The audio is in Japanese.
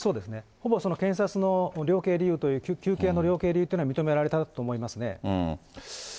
ほぼ検察の量刑理由という、求刑の量刑でいったら認められたと思いますね。